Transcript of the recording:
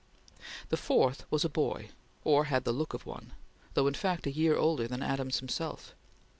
The fourth was a boy, or had the look of one, though in fact a year older than Adams himself.